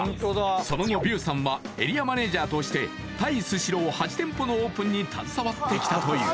その後ビューさんはエリアマネージャーとしてタイスシロー８店舗のオープンに携わってきたという